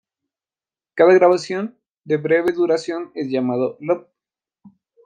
Cada grabación de breve duración es llamado "loop".